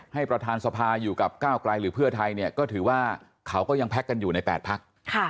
ประธานสภาอยู่กับก้าวไกลหรือเพื่อไทยเนี่ยก็ถือว่าเขาก็ยังแพ็คกันอยู่ใน๘พัก